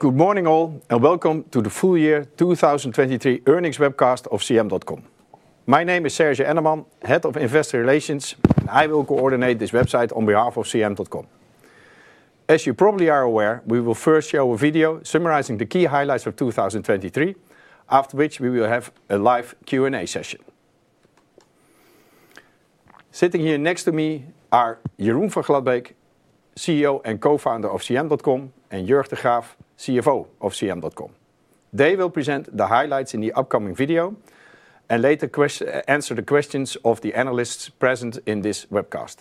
Good morning all, and welcome to the full year 2023 earnings webcast of CM.com. My name is Serge Enneman, Head of Investor Relations, and I will coordinate this webcast on behalf of CM.com. As you probably are aware, we will first show a video summarizing the key highlights of 2023, after which we will have a live Q&A session. Sitting here next to me are Jeroen van Glabbeek, CEO and co-founder of CM.com, and Jörg de Graaf, CFO of CM.com. They will present the highlights in the upcoming video and later answer the questions of the analysts present in this webcast.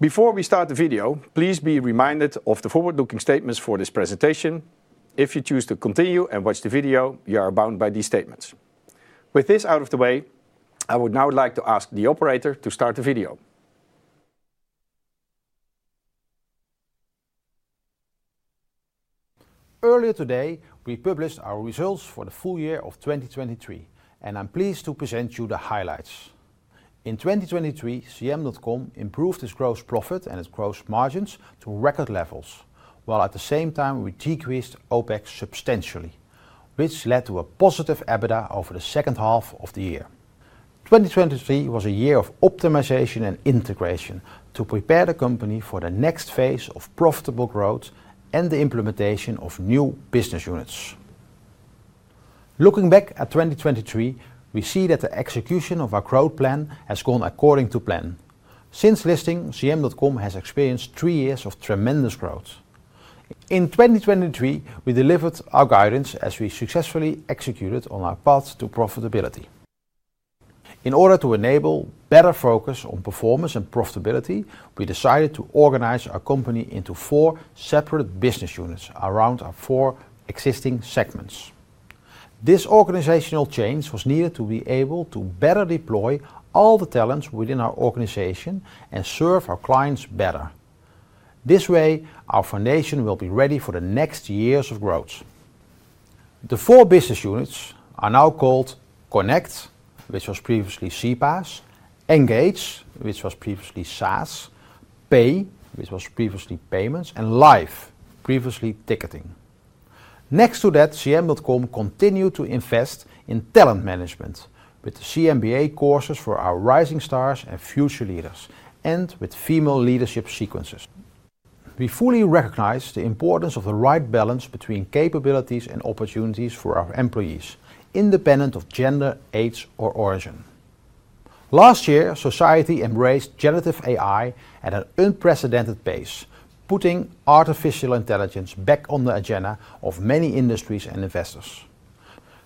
Before we start the video, please be reminded of the forward-looking statements for this presentation. If you choose to continue and watch the video, you are bound by these statements. With this out of the way, I would now like to ask the operator to start the video. Earlier today, we published our results for the full year of 2023, and I'm pleased to present you the highlights. In 2023, CM.com improved its gross profit and its gross margins to record levels, while at the same time we decreased OPEX substantially, which led to a positive EBITDA over the second half of the year. 2023 was a year of optimization and integration to prepare the company for the next phase of profitable growth and the implementation of new business units. Looking back at 2023, we see that the execution of our growth plan has gone according to plan. Since listing, CM.com has experienced three years of tremendous growth. In 2023, we delivered our guidance as we successfully executed on our path to profitability. In order to enable better focus on performance and profitability, we decided to organize our company into four separate business units around our four existing segments. This organizational change was needed to be able to better deploy all the talents within our organization and serve our clients better. This way, our foundation will be ready for the next years of growth. The four business units are now called Connect, which was previously CPaaS, Engage, which was previously SaaS, Pay, which was previously Payments, and Live, previously Ticketing. Next to that, CM.com continued to invest in talent management with the CMBA courses for our rising stars and future leaders, and with female leadership sequences. We fully recognize the importance of the right balance between capabilities and opportunities for our employees, independent of gender, age, or origin. Last year, society embraced generative AI at an unprecedented pace, putting artificial intelligence back on the agenda of many industries and investors.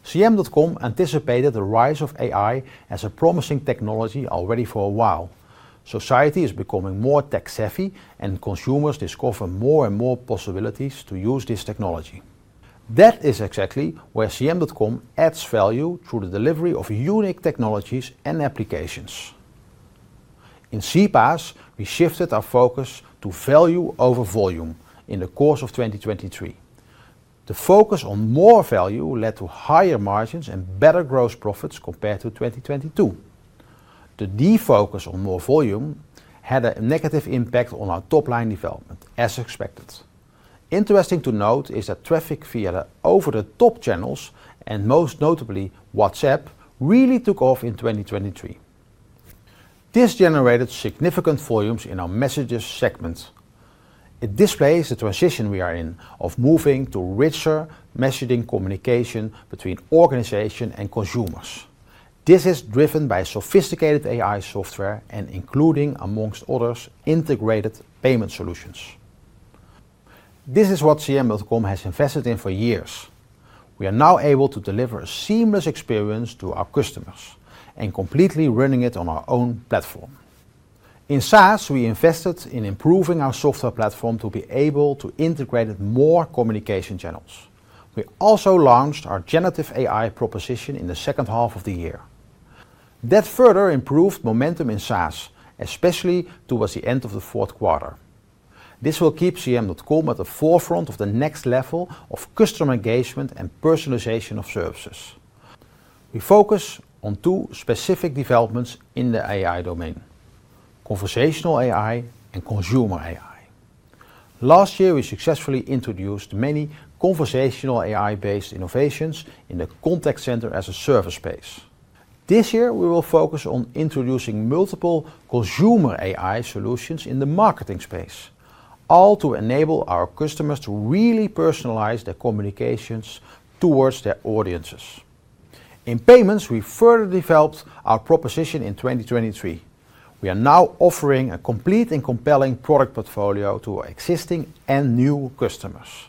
CM.com anticipated the rise of AI as a promising technology already for a while. Society is becoming more tech-savvy, and consumers discover more and more possibilities to use this technology. That is exactly where CM.com adds value through the delivery of unique technologies and applications. In CPaaS, we shifted our focus to value over volume in the course of 2023. The focus on more value led to higher margins and better gross profits compared to 2022. The defocus on more volume had a negative impact on our top-line development, as expected. Interesting to note is that traffic via the over-the-top channels, and most notably WhatsApp, really took off in 2023. This generated significant volumes in our messages segment. It displays the transition we are in of moving to richer messaging communication between organization and consumers. This is driven by sophisticated AI software and including, amongst others, integrated payment solutions. This is what CM.com has invested in for years. We are now able to deliver a seamless experience to our customers and completely running it on our own platform. In SaaS, we invested in improving our software platform to be able to integrate more communication channels. We also launched our generative AI proposition in the second half of the year. That further improved momentum in SaaS, especially towards the end of the fourth quarter. This will keep CM.com at the forefront of the next level of customer engagement and personalization of services. We focus on two specific developments in the AI domain: conversational AI and consumer AI. Last year, we successfully introduced many conversational AI-based innovations in the contact center as a service space. This year, we will focus on introducing multiple consumer AI solutions in the marketing space, all to enable our customers to really personalize their communications towards their audiences. In payments, we further developed our proposition in 2023. We are now offering a complete and compelling product portfolio to our existing and new customers.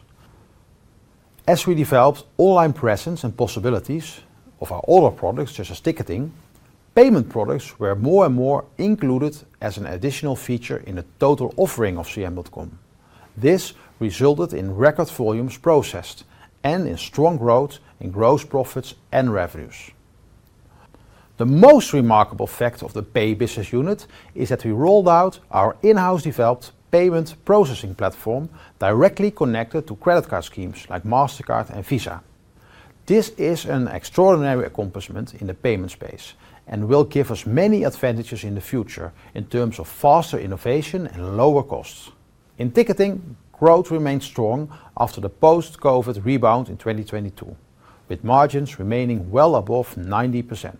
As we developed online presence and possibilities of our other products, such as ticketing, payment products were more and more included as an additional feature in the total offering of CM.com. This resulted in record volumes processed and in strong growth in gross profits and revenues. The most remarkable fact of the Pay business unit is that we rolled out our in-house developed payment processing platform directly connected to credit card schemes like Mastercard and Visa. This is an extraordinary accomplishment in the payment space and will give us many advantages in the future in terms of faster innovation and lower costs. In ticketing, growth remained strong after the post-COVID rebound in 2022, with margins remaining well above 90%.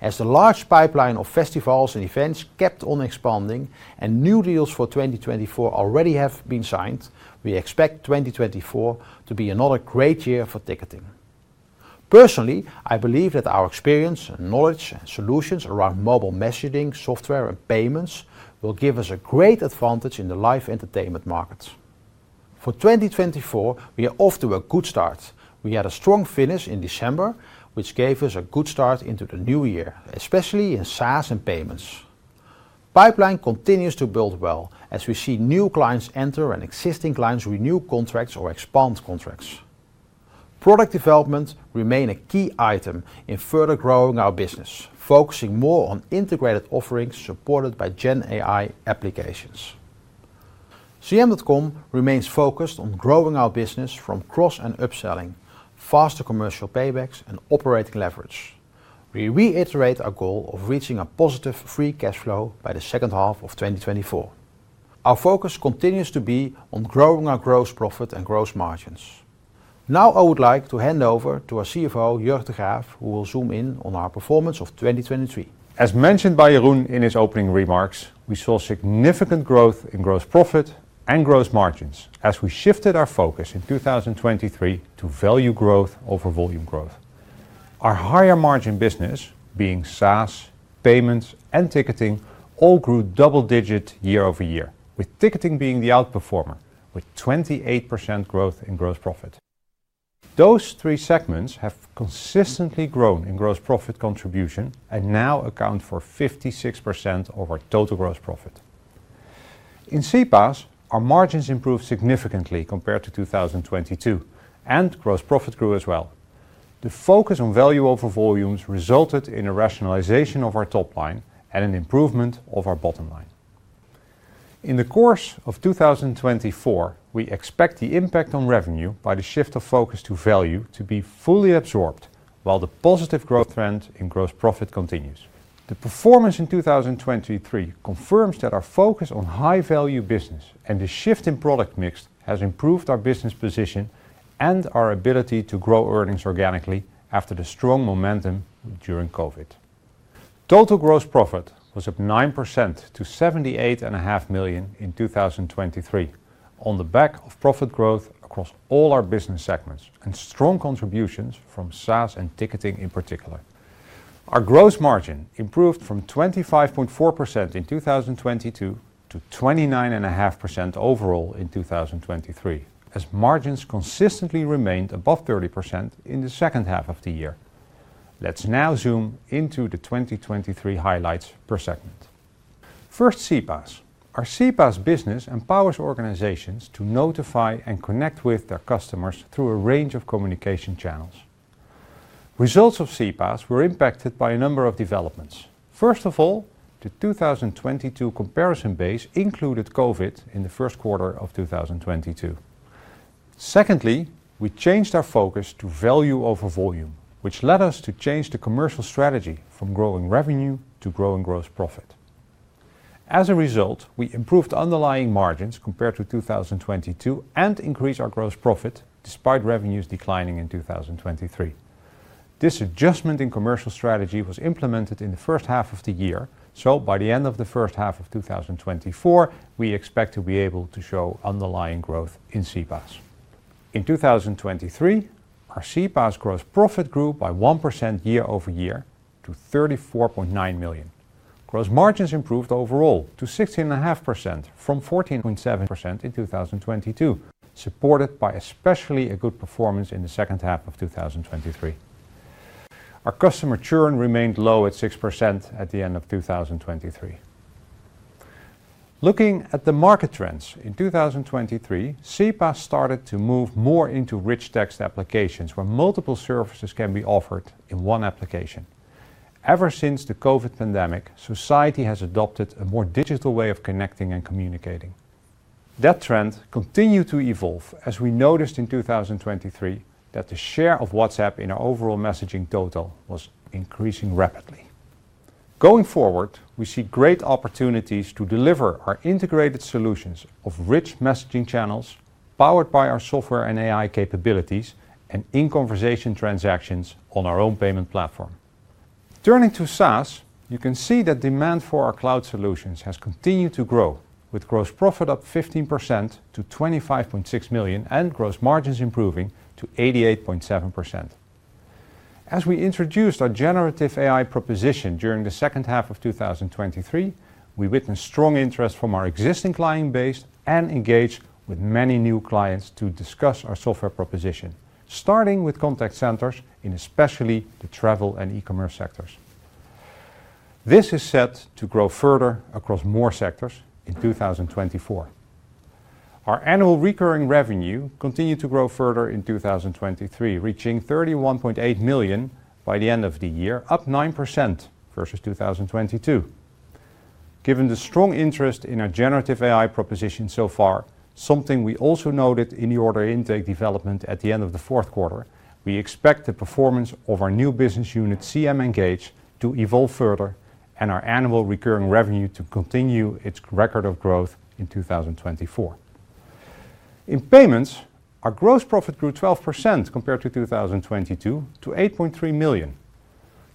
As the large pipeline of festivals and events kept on expanding and new deals for 2024 already have been signed, we expect 2024 to be another great year for ticketing. Personally, I believe that our experience, knowledge, and solutions around mobile messaging software and payments will give us a great advantage in the live entertainment market. For 2024, we are off to a good start. We had a strong finish in December, which gave us a good start into the new year, especially in SaaS and payments. Pipeline continues to build well as we see new clients enter and existing clients renew contracts or expand contracts. Product development remains a key item in further growing our business, focusing more on integrated offerings supported by GenAI applications. CM.com remains focused on growing our business from cross and upselling, faster commercial paybacks, and operating leverage. We reiterate our goal of reaching a positive free cash flow by the second half of 2024. Our focus continues to be on growing our gross profit and gross margins. Now I would like to hand over to our CFO, Jörg de Graaf, who will zoom in on our performance of 2023. As mentioned by Jeroen in his opening remarks, we saw significant growth in gross profit and gross margins as we shifted our focus in 2023 to value growth over volume growth. Our higher margin business, being SaaS, payments, and ticketing, all grew double-digit year-over-year, with ticketing being the outperformer with 28% growth in gross profit. Those three segments have consistently grown in gross profit contribution and now account for 56% of our total gross profit. In CPaaS, our margins improved significantly compared to 2022, and gross profit grew as well. The focus on value over volumes resulted in a rationalization of our top line and an improvement of our bottom line. In the course of 2024, we expect the impact on revenue by the shift of focus to value to be fully absorbed while the positive growth trend in gross profit continues. The performance in 2023 confirms that our focus on high-value business and the shift in product mix has improved our business position and our ability to grow earnings organically after the strong momentum during COVID. Total gross profit was up 9% to 78.5 million in 2023 on the back of profit growth across all our business segments and strong contributions from SaaS and ticketing in particular. Our gross margin improved from 25.4% in 2022 to 29.5% overall in 2023 as margins consistently remained above 30% in the second half of the year. Let's now zoom into the 2023 highlights per segment. First, CPaaS. Our CPaaS business empowers organizations to notify and connect with their customers through a range of communication channels. Results of CPaaS were impacted by a number of developments. First of all, the 2022 comparison base included COVID in the first quarter of 2022. Secondly, we changed our focus to value over volume, which led us to change the commercial strategy from growing revenue to growing gross profit. As a result, we improved underlying margins compared to 2022 and increased our gross profit despite revenues declining in 2023. This adjustment in commercial strategy was implemented in the first half of the year, so by the end of the first half of 2024, we expect to be able to show underlying growth in CPaaS. In 2023, our CPaaS gross profit grew by 1% year-over-year to 34.9 million. Gross margins improved overall to 16.5% from 14.7% in 2022, supported by especially a good performance in the second half of 2023. Our customer churn remained low at 6% at the end of 2023. Looking at the market trends in 2023, CPaaS started to move more into rich text applications where multiple services can be offered in one application. Ever since the COVID pandemic, society has adopted a more digital way of connecting and communicating. That trend continued to evolve as we noticed in 2023 that the share of WhatsApp in our overall messaging total was increasing rapidly. Going forward, we see great opportunities to deliver our integrated solutions of rich messaging channels powered by our software and AI capabilities and in-conversation transactions on our own payment platform. Turning to SaaS, you can see that demand for our cloud solutions has continued to grow, with gross profit up 15% to 25.6 million and gross margins improving to 88.7%. As we introduced our generative AI proposition during the second half of 2023, we witnessed strong interest from our existing client base and engaged with many new clients to discuss our software proposition, starting with contact centers in especially the travel and e-commerce sectors. This is set to grow further across more sectors in 2024. Our annual recurring revenue continued to grow further in 2023, reaching 31.8 million by the end of the year, up 9% versus 2022. Given the strong interest in our generative AI proposition so far, something we also noted in the order intake development at the end of the fourth quarter, we expect the performance of our new business unit, CM Engage, to evolve further and our annual recurring revenue to continue its record of growth in 2024. In payments, our gross profit grew 12% compared to 2022 to 8.3 million.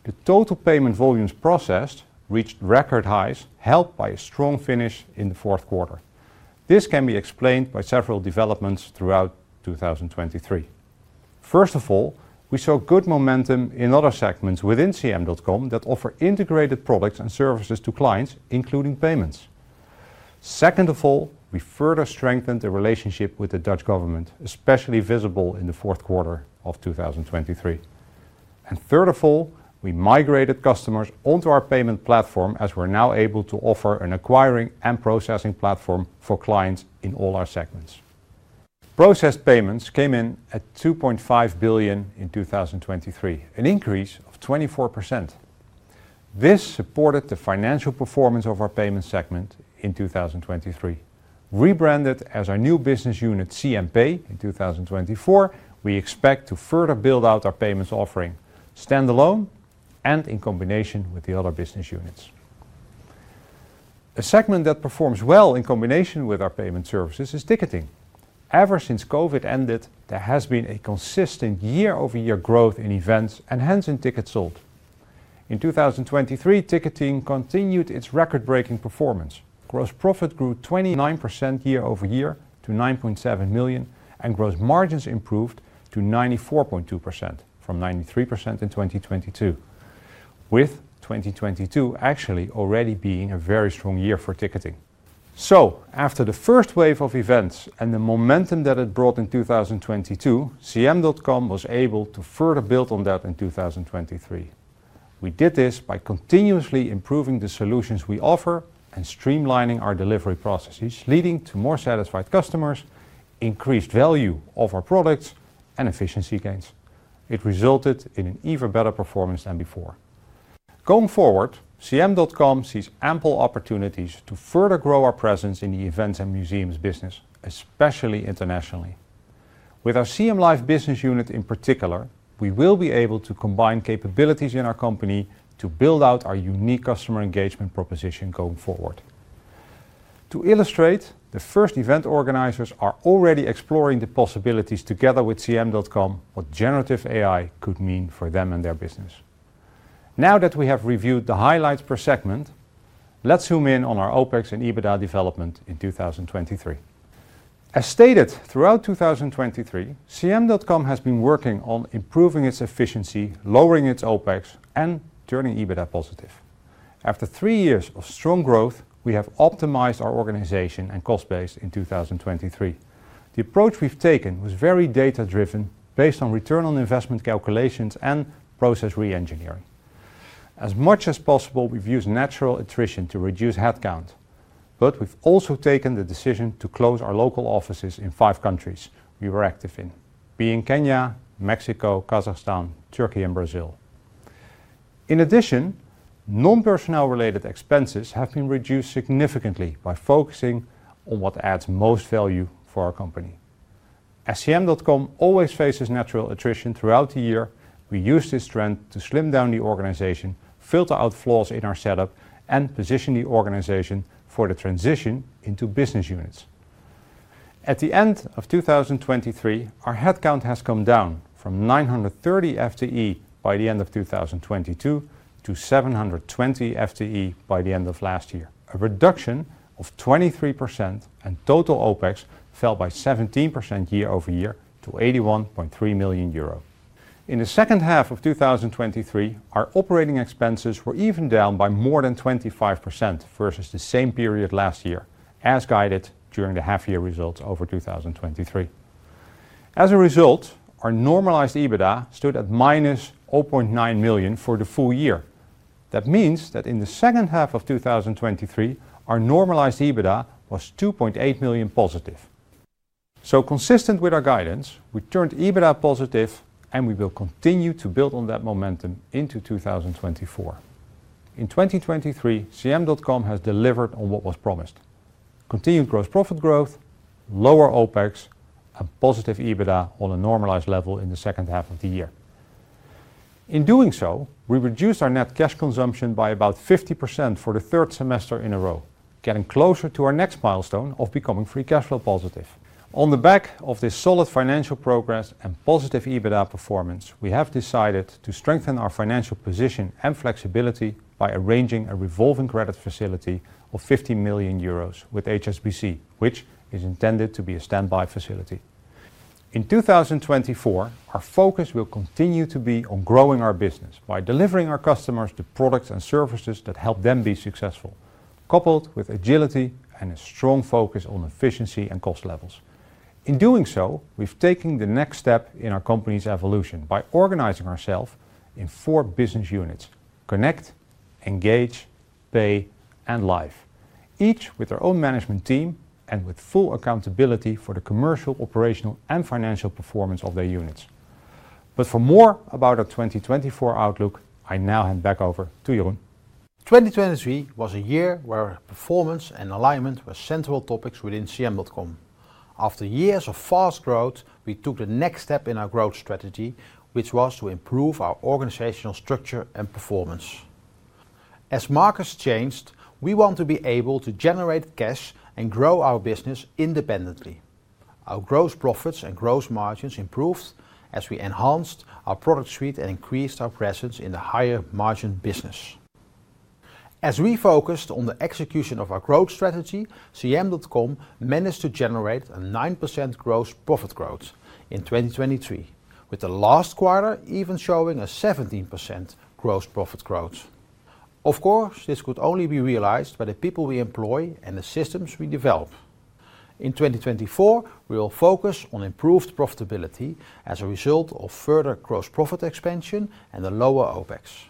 The total payment volumes processed reached record highs, helped by a strong finish in the fourth quarter. This can be explained by several developments throughout 2023. First of all, we saw good momentum in other segments within CM.com that offer integrated products and services to clients, including payments. Second of all, we further strengthened the relationship with the Dutch government, especially visible in the fourth quarter of 2023. And third of all, we migrated customers onto our payment platform as we're now able to offer an acquiring and processing platform for clients in all our segments. Processed payments came in at 2.5 billion in 2023, an increase of 24%. This supported the financial performance of our payment segment in 2023. Rebranded as our new business unit, CM Pay, in 2024, we expect to further build out our payments offering, standalone, and in combination with the other business units. A segment that performs well in combination with our payment services is ticketing. Ever since COVID ended, there has been a consistent year-over-year growth in events and hence in tickets sold. In 2023, ticketing continued its record-breaking performance. Gross profit grew 29% year over year to 9.7 million and gross margins improved to 94.2% from 93% in 2022, with 2022 actually already being a very strong year for ticketing. So after the first wave of events and the momentum that it brought in 2022, CM.com was able to further build on that in 2023. We did this by continuously improving the solutions we offer and streamlining our delivery processes, leading to more satisfied customers, increased value of our products, and efficiency gains. It resulted in an even better performance than before. Going forward, CM.com sees ample opportunities to further grow our presence in the events and museums business, especially internationally. With our CM Live business unit in particular, we will be able to combine capabilities in our company to build out our unique customer engagement proposition going forward. To illustrate, the first event organizers are already exploring the possibilities together with CM.com, what generative AI could mean for them and their business. Now that we have reviewed the highlights per segment, let's zoom in on our OPEX and EBITDA development in 2023. As stated, throughout 2023, CM.com has been working on improving its efficiency, lowering its OPEX, and turning EBITDA positive. After three years of strong growth, we have optimized our organization and cost base in 2023. The approach we've taken was very data-driven based on return on investment calculations and process re-engineering. As much as possible, we've used natural attrition to reduce headcount. But we've also taken the decision to close our local offices in five countries we were active in, being Kenya, Mexico, Kazakhstan, Turkey, and Brazil. In addition, non-personnel-related expenses have been reduced significantly by focusing on what adds most value for our company. As CM.com always faces natural attrition throughout the year, we used this trend to slim down the organization, filter out flaws in our setup, and position the organization for the transition into business units. At the end of 2023, our headcount has come down from 930 FTE by the end of 2022 to 720 FTE by the end of last year, a reduction of 23%, and total OPEX fell by 17% year-over-year to 81.3 million euro. In the second half of 2023, our operating expenses were even down by more than 25% versus the same period last year, as guided during the half-year results over 2023. As a result, our normalized EBITDA stood at minus 0.9 million for the full year. That means that in the second half of 2023, our normalized EBITDA was 2.8 million positive. So consistent with our guidance, we turned EBITDA positive, and we will continue to build on that momentum into 2024. In 2023, CM.com has delivered on what was promised: continued gross profit growth, lower OPEX, and positive EBITDA on a normalized level in the second half of the year. In doing so, we reduced our net cash consumption by about 50% for the third semester in a row, getting closer to our next milestone of becoming free cash flow positive. On the back of this solid financial progress and positive EBITDA performance, we have decided to strengthen our financial position and flexibility by arranging a revolving credit facility of 15 million euros with HSBC, which is intended to be a standby facility. In 2024, our focus will continue to be on growing our business by delivering our customers the products and services that help them be successful, coupled with agility and a strong focus on efficiency and cost levels. In doing so, we've taken the next step in our company's evolution by organizing ourselves in four business units: Connect, Engage, Pay, and Live, each with their own management team and with full accountability for the commercial, operational, and financial performance of their units. But for more about our 2024 outlook, I now hand back over to Jeroen. 2023 was a year where performance and alignment were central topics within CM.com. After years of fast growth, we took the next step in our growth strategy, which was to improve our organizational structure and performance. As markets changed, we want to be able to generate cash and grow our business independently. Our gross profits and gross margins improved as we enhanced our product suite and increased our presence in the higher-margin business. As we focused on the execution of our growth strategy, CM.com managed to generate a 9% gross profit growth in 2023, with the last quarter even showing a 17% gross profit growth. Of course, this could only be realized by the people we employ and the systems we develop. In 2024, we will focus on improved profitability as a result of further gross profit expansion and a lower OPEX.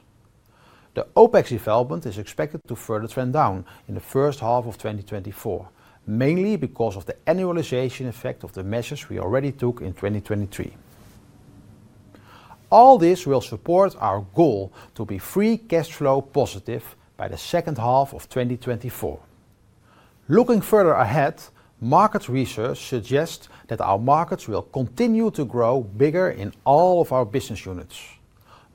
The OPEX development is expected to further trend down in the first half of 2024, mainly because of the annualization effect of the measures we already took in 2023. All this will support our goal to be free cash flow positive by the second half of 2024. Looking further ahead, market research suggests that our markets will continue to grow bigger in all of our business units.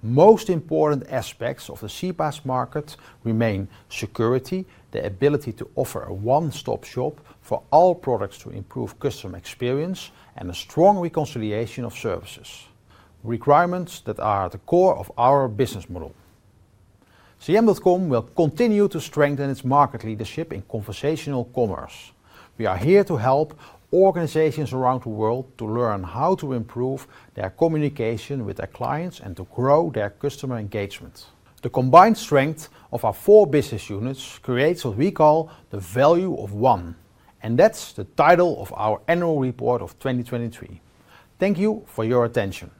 Most important aspects of the CPaaS market remain security, the ability to offer a one-stop shop for all products to improve customer experience, and a strong reconciliation of services, requirements that are at the core of our business model. CM.com will continue to strengthen its market leadership in conversational commerce. We are here to help organizations around the world to learn how to improve their communication with their clients and to grow their customer engagement. The combined strength of our four business units creates what we call the Value of One, and that's the title of our annual report of 2023. Thank you for your attention.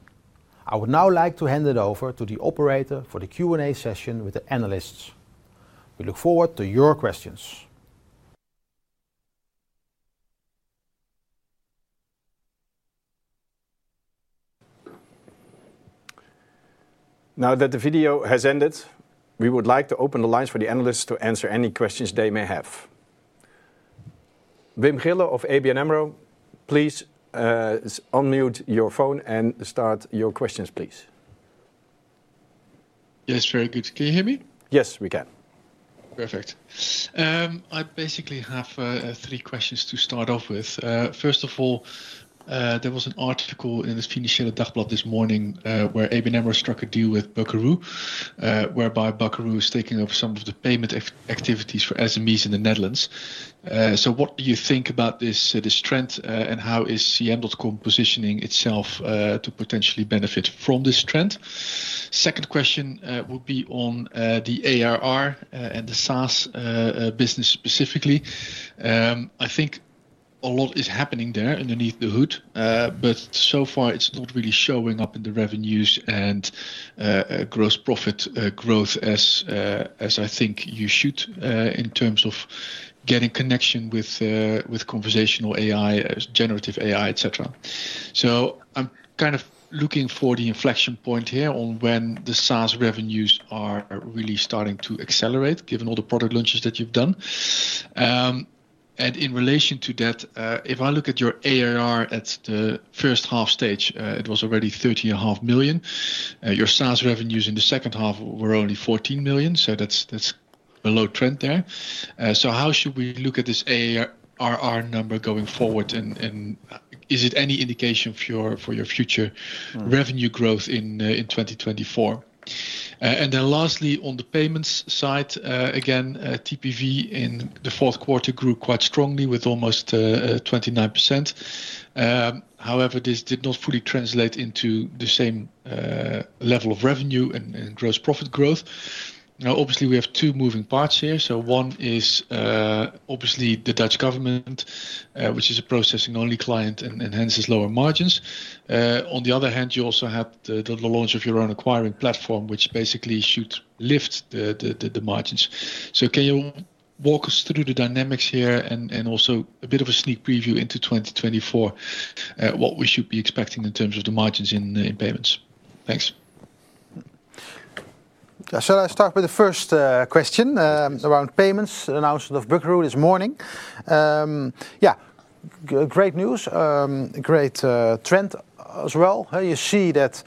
I would now like to hand it over to the operator for the Q&A session with the analysts. We look forward to your questions. Now that the video has ended, we would like to open the lines for the analysts to answer any questions they may have. Wim Gille of ABN AMRO, please unmute your phone and start your questions, please. Yes, very good. Can you hear me? Yes, we can. Perfect. I basically have three questions to start off with. First of all, there was an article in the Financieele Dagblad this morning where ABN AMRO struck a deal with Buckaroo, whereby Buckaroo is taking over some of the payment activities for SMEs in the Netherlands. So what do you think about this trend, and how is CM.com positioning itself to potentially benefit from this trend? Second question would be on the ARR and the SaaS business specifically. I think a lot is happening there underneath the hood, but so far it's not really showing up in the revenues and gross profit growth as I think you should in terms of getting connection with conversational AI, generative AI, etc. So I'm kind of looking for the inflection point here on when the SaaS revenues are really starting to accelerate, given all the product launches that you've done. And in relation to that, if I look at your ARR at the first half stage, it was already 30.5 million. Your SaaS revenues in the second half were only 14 million, so that's a low trend there. So how should we look at this ARR number going forward, and is it any indication for your future revenue growth in 2024? And then lastly, on the payments side, again, TPV in the fourth quarter grew quite strongly with almost 29%. However, this did not fully translate into the same level of revenue and gross profit growth. Now, obviously, we have two moving parts here. So one is obviously the Dutch government, which is a processing-only client and hence has lower margins. On the other hand, you also have the launch of your own acquiring platform, which basically should lift the margins. So can you walk us through the dynamics here and also a bit of a sneak preview into 2024, what we should be expecting in terms of the margins in payments? Thanks. Shall I start with the first question around payments, announcement of Buckaroo this morning? Yeah, great news, great trend as well. You see that,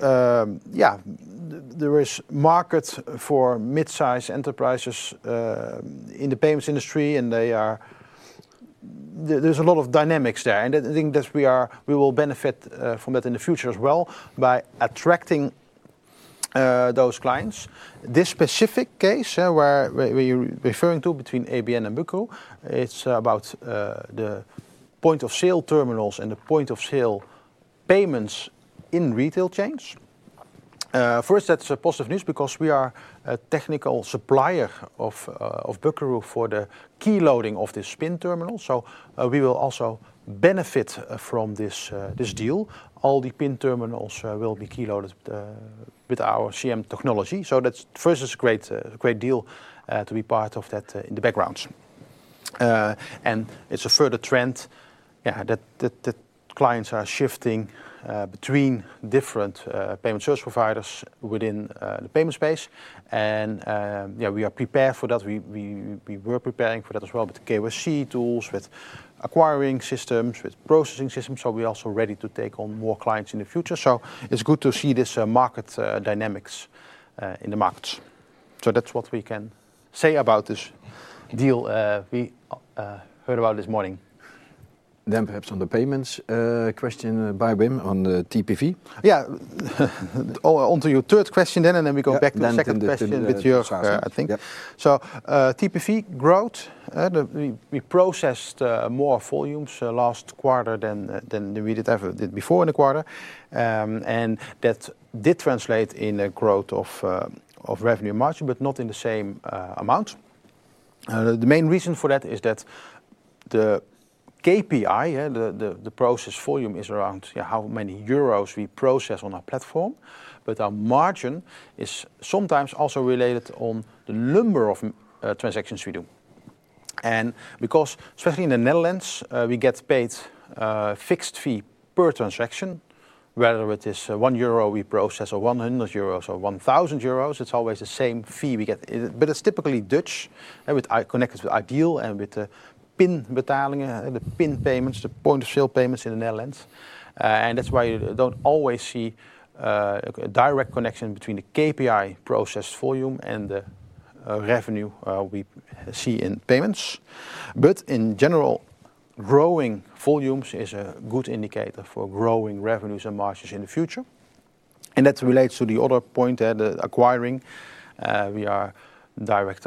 yeah, there is market for midsize enterprises in the payments industry, and there's a lot of dynamics there. And I think that we will benefit from that in the future as well by attracting those clients. This specific case where you're referring to between ABN AMRO and Buckaroo, it's about the point of sale terminals and the point of sale payments in retail chains. First, that's positive news because we are a technical supplier of Buckaroo for the key loading of this PIN terminal. So we will also benefit from this deal. All the PIN terminals will be key loaded with our CM technology. So first, it's a great deal to be part of that in the background. And it's a further trend, yeah, that clients are shifting between different payment service providers within the payment space. Yeah, we are prepared for that. We were preparing for that as well with KYC tools, with acquiring systems, with processing systems. We are also ready to take on more clients in the future. It's good to see this market dynamics in the markets. That's what we can say about this deal we heard about this morning. Then perhaps on the payments question by Wim on the TPV. Yeah, onto your third question then, and then we go back to the second question with your, I think. TPV growth, we processed more volumes last quarter than we did before in the quarter. And that did translate in a growth of revenue margin, but not in the same amount. The main reason for that is that the KPI, the process volume, is around how many euros we process on our platform. But our margin is sometimes also related to the number of transactions we do. And because, especially in the Netherlands, we get paid a fixed fee per transaction, whether it is 1 euro we process or 100 euros or 1,000 euros, it's always the same fee we get. But it's typically Dutch, connected with iDEAL and with the PIN betalingen, the PIN payments, the point of sale payments in the Netherlands. And that's why you don't always see a direct connection between the KPI processed volume and the revenue we see in payments. But in general, growing volumes is a good indicator for growing revenues and margins in the future. And that relates to the other point, the acquiring. We are direct,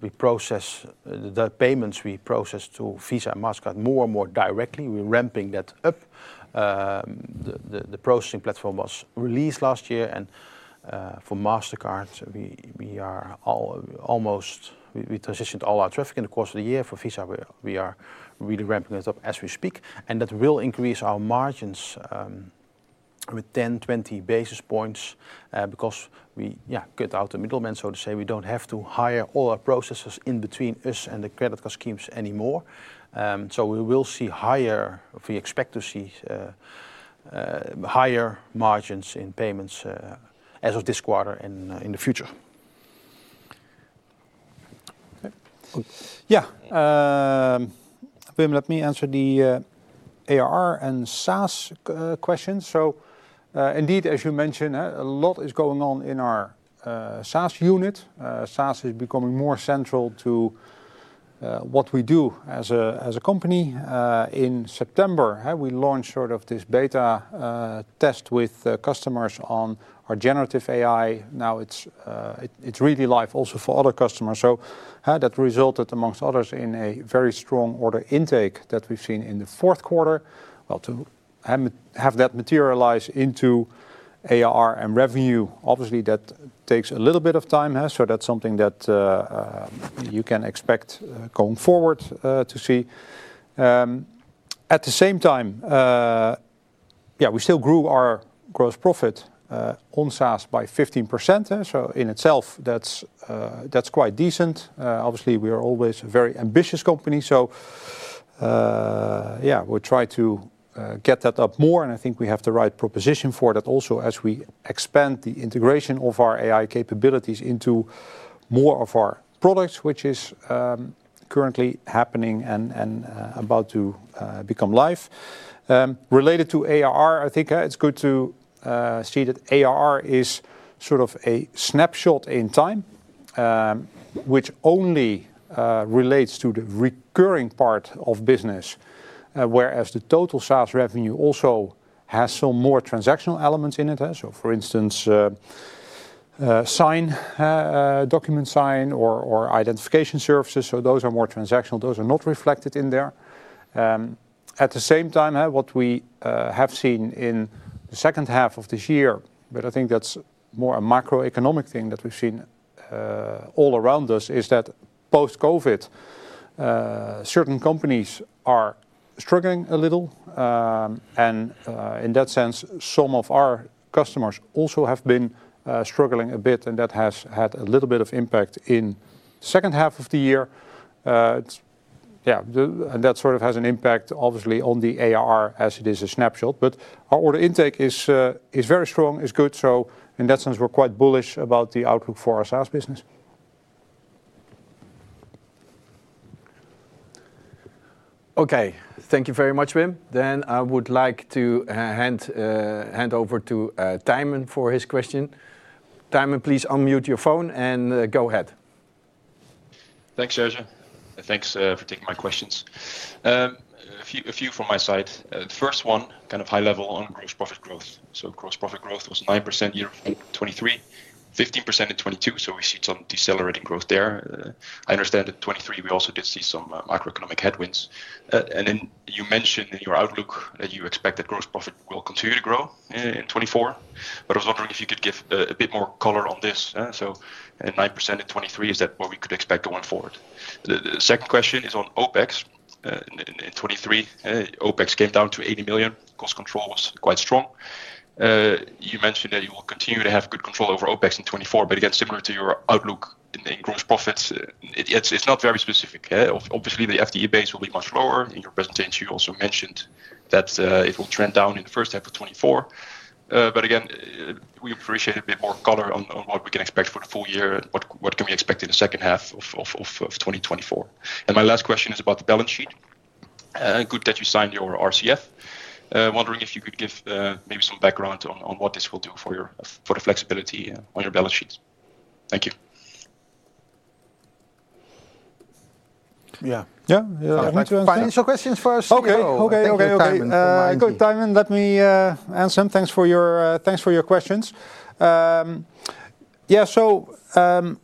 we process the payments we process to Visa and Mastercard more and more directly. We're ramping that up. The processing platform was released last year, and for Mastercard, we are almost, we transitioned all our traffic in the course of the year. For Visa, we are really ramping it up as we speak. And that will increase our margins with 10-20 basis points because we cut out the middlemen, so to say. We don't have to hire all our processors in between us and the credit card schemes anymore. So we will see higher, we expect to see higher margins in payments as of this quarter and in the future. Yeah. Wim, let me answer the ARR and SaaS questions. So indeed, as you mentioned, a lot is going on in our SaaS unit. SaaS is becoming more central to what we do as a company. In September, we launched sort of this beta test with customers on our generative AI. Now it's really live also for other customers. So that resulted, among others, in a very strong order intake that we've seen in the fourth quarter. Well, to have that materialize into ARR and revenue, obviously, that takes a little bit of time. So that's something that you can expect going forward to see. At the same time, yeah, we still grew our gross profit on SaaS by 15%. So in itself, that's quite decent. Obviously, we are always a very ambitious company. So yeah, we'll try to get that up more. And I think we have the right proposition for that also as we expand the integration of our AI capabilities into more of our products, which is currently happening and about to become live. Related to ARR, I think it's good to see that ARR is sort of a snapshot in time, which only relates to the recurring part of business, whereas the total SaaS revenue also has some more transactional elements in it. So for instance, sign, document sign, or identification services. So those are more transactional. Those are not reflected in there. At the same time, what we have seen in the second half of this year, but I think that's more a macroeconomic thing that we've seen all around us, is that post-COVID, certain companies are struggling a little. And in that sense, some of our customers also have been struggling a bit, and that has had a little bit of impact in the second half of the year. Yeah, and that sort of has an impact, obviously, on the ARR as it is a snapshot. But our order intake is very strong, is good. So in that sense, we're quite bullish about the outlook for our SaaS business. Okay. Thank you very much, Wim. Then I would like to hand over to Tijmen for his question. Tijmen, please unmute your phone and go ahead. Thanks, Serge. Thanks for taking my questions. A few from my side. The first one, kind of high level on gross profit growth. So gross profit growth was 9% in 2023, 15% in 2022. So we see some decelerating growth there. I understand that in 2023, we also did see some macroeconomic headwinds. And then you mentioned in your outlook that you expect that gross profit will continue to grow in 2024. But I was wondering if you could give a bit more color on this. So 9% in 2023, is that what we could expect going forward? The second question is on OPEX in 2023. OPEX came down to 80 million. Cost control was quite strong. You mentioned that you will continue to have good control over OPEX in 2024. But again, similar to your outlook in gross profits, it's not very specific. Obviously, the EBITDA base will be much lower. In your presentation, you also mentioned that it will trend down in the first half of 2024. But again, we appreciate a bit more color on what we can expect for the full year, what can we expect in the second half of 2024. And my last question is about the balance sheet. Good that you signed your RCF. Wondering if you could give maybe some background on what this will do for the flexibility on your balance sheet? Thank you. Yeah. Yeah. Yeah. I want to answer financial questions first. Okay. Okay. Okay. Okay. Good. Tijmen, let me answer them. Thanks for your questions. Yeah. So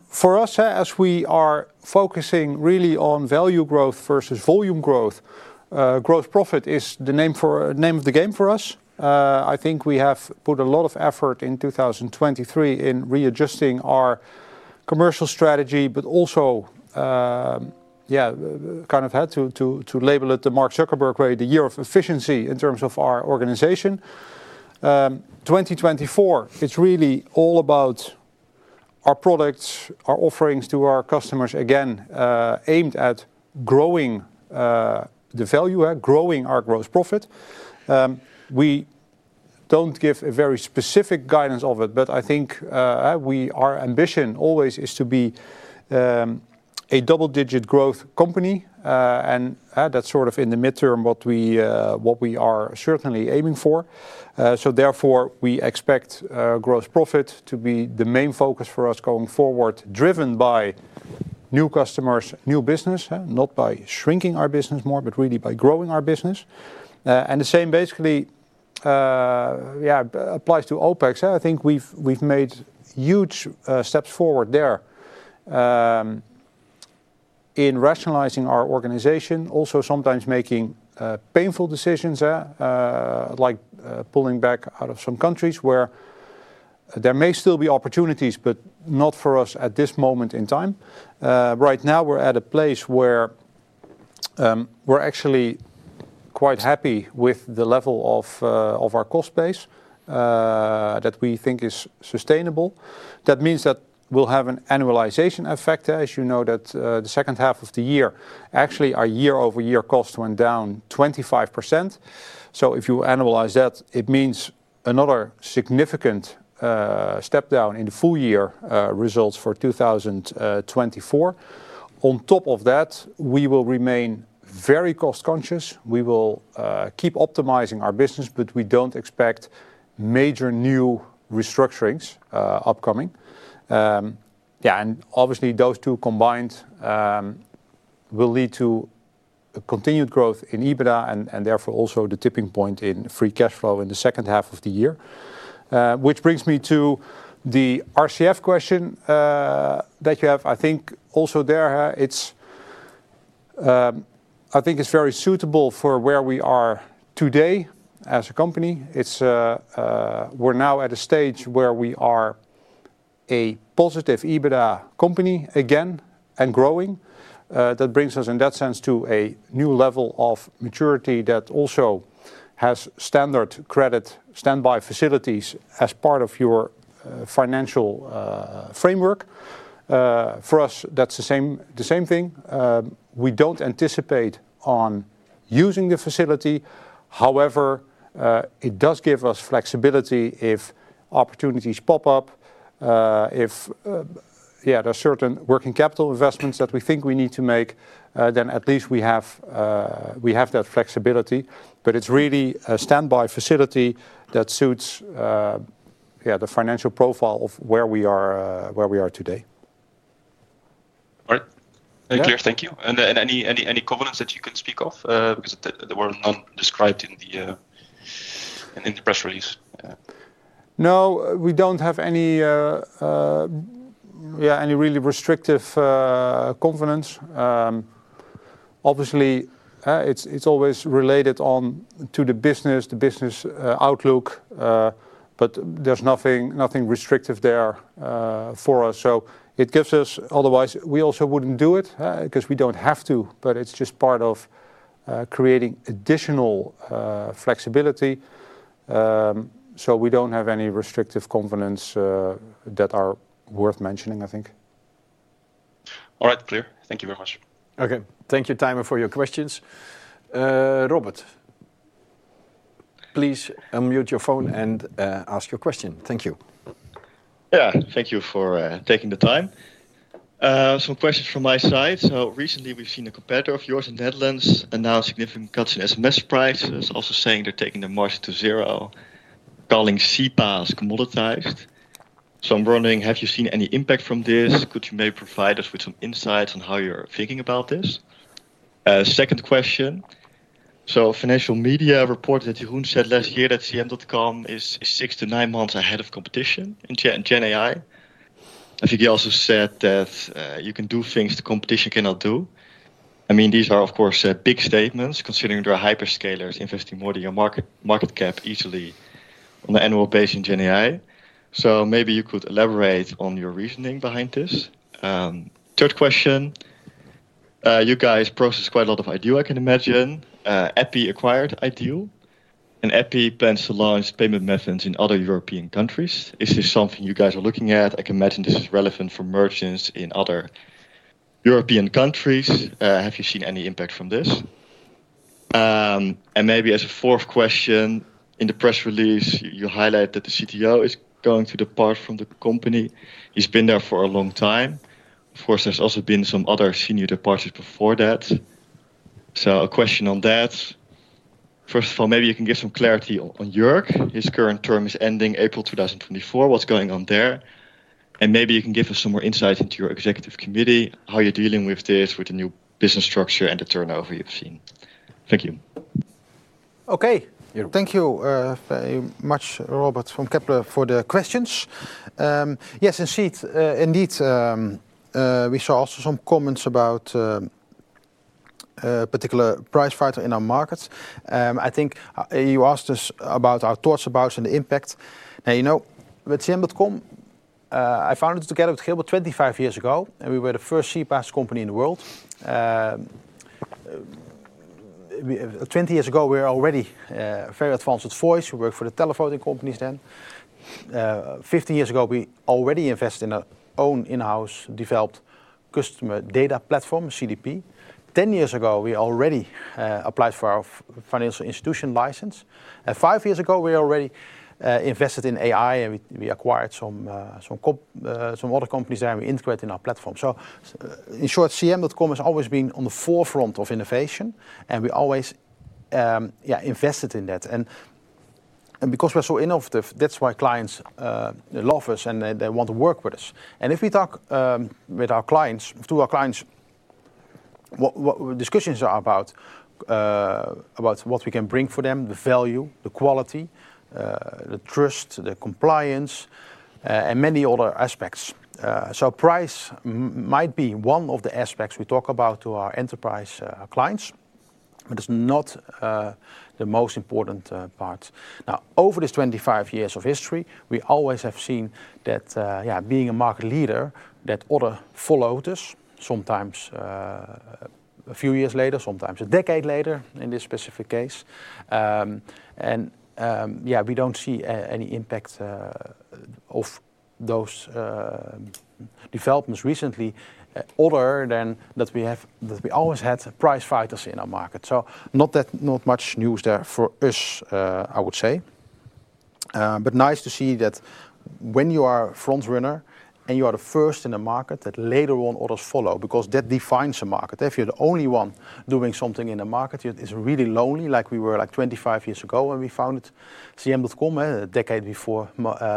for us, as we are focusing really on value growth versus volume growth, gross profit is the name of the game for us. I think we have put a lot of effort in 2023 in readjusting our commercial strategy, but also, yeah, kind of had to label it the Mark Zuckerberg way, the year of efficiency in terms of our organization. 2024, it's really all about our products, our offerings to our customers, again, aimed at growing the value, growing our gross profit. We don't give a very specific guidance of it, but I think our ambition always is to be a double-digit growth company. And that's sort of in the midterm what we are certainly aiming for. So therefore, we expect gross profit to be the main focus for us going forward, driven by new customers, new business, not by shrinking our business more, but really by growing our business. And the same, basically, yeah, applies to OPEX. I think we've made huge steps forward there in rationalizing our organization, also sometimes making painful decisions, like pulling back out of some countries where there may still be opportunities, but not for us at this moment in time. Right now, we're at a place where we're actually quite happy with the level of our cost base that we think is sustainable. That means that we'll have an annualization effect. As you know, the second half of the year, actually, our year-over-year cost went down 25%. So if you annualize that, it means another significant step down in the full year results for 2024. On top of that, we will remain very cost-conscious. We will keep optimizing our business, but we don't expect major new restructurings upcoming. Yeah. And obviously, those two combined will lead to continued growth in EBITDA and therefore also the tipping point in free cash flow in the second half of the year. Which brings me to the RCF question that you have. I think also there, I think it's very suitable for where we are today as a company. We're now at a stage where we are a positive EBITDA company again and growing. That brings us, in that sense, to a new level of maturity that also has standard credit standby facilities as part of your financial framework. For us, that's the same thing. We don't anticipate on using the facility. However, it does give us flexibility if opportunities pop up, if there are certain working capital investments that we think we need to make, then at least we have that flexibility. But it's really a standby facility that suits, yeah, the financial profile of where we are today. All right. Thank you. Thank you. And any covenants that you can speak of because they were not described in the press release? No, we don't have any, yeah, any really restrictive covenants. Obviously, it's always related to the business, the business outlook. But there's nothing restrictive there for us. So it gives us, otherwise, we also wouldn't do it because we don't have to. But it's just part of creating additional flexibility. So we don't have any restrictive covenants that are worth mentioning, I think. All right. Clear. Thank you very much. Okay. Thank you, Tijmen, for your questions. Robert, please unmute your phone and ask your question. Thank you. Yeah. Thank you for taking the time. Some questions from my side. So recently, we've seen a competitor of yours in the Netherlands announce significant cuts in SMS prices, also saying they're taking the margin to zero, calling CPaaS commoditized. So I'm wondering, have you seen any impact from this? Could you maybe provide us with some insights on how you're thinking about this? Second question. So financial media reported that Jeroen said last year that CM.com is 6-9 months ahead of competition in GenAI. I think he also said that you can do things the competition cannot do. I mean, these are, of course, big statements considering there are hyperscalers investing more than your market cap easily on an annual basis in GenAI. So maybe you could elaborate on your reasoning behind this. Third question. You guys process quite a lot of iDEAL, I can imagine. EPI acquired iDEAL. EPI plans to launch payment methods in other European countries. Is this something you guys are looking at? I can imagine this is relevant for merchants in other European countries. Have you seen any impact from this? Maybe as a fourth question, in the press release, you highlight that the CTO is going to depart from the company. He's been there for a long time. Of course, there's also been some other senior departures before that. A question on that. First of all, maybe you can give some clarity on Jörg. His current term is ending April 2024. What's going on there? Maybe you can give us some more insights into your executive committee, how you're dealing with this, with the new business structure and the turnover you've seen. Thank you. Okay. Thank you very much, Robert, from Kepler, for the questions. Yes. Indeed, we saw also some comments about a particular price fighter in our markets. I think you asked us about our thoughts about it and the impact. Now, you know, with CM.com, I founded it together with Gilbert 25 years ago, and we were the first CPaaS company in the world. 20 years ago, we were already a very advanced VoIP. We worked for the telephone companies then. 15 years ago, we already invested in our own in-house developed customer data platform, CDP. 10 years ago, we already applied for our financial institution license. And 5 years ago, we already invested in AI, and we acquired some other companies that we integrated in our platform. So in short, CM.com has always been on the forefront of innovation, and we always, yeah, invested in that. Because we're so innovative, that's why clients love us, and they want to work with us. If we talk with our clients, to our clients, what discussions are about what we can bring for them, the value, the quality, the trust, the compliance, and many other aspects. So price might be one of the aspects we talk about to our enterprise clients, but it's not the most important part. Now, over these 25 years of history, we always have seen that, yeah, being a market leader, that order followed us sometimes a few years later, sometimes a decade later in this specific case. Yeah, we don't see any impact of those developments recently other than that we always had price fighters in our market. So not much news there for us, I would say. Nice to see that when you are a frontrunner and you are the first in the market, that later on orders follow because that defines a market. If you're the only one doing something in the market, it's really lonely, like we were like 25 years ago when we founded CM.com, a decade before